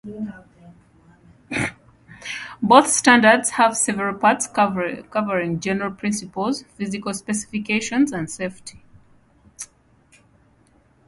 Both standards have several parts covering general principles, physical specifications and safety.